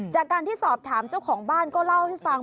จากการที่สอบถามเจ้าของบ้านก็เล่าให้ฟัง